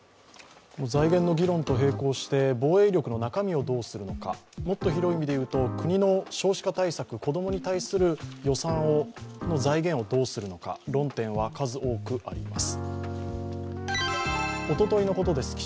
財源の議論と並行して防衛力の中身をどうするのか、もっと広い意味でいうと、国の少子化対策、子供に対する予算の財源をどうするのか、論点は数多くあります。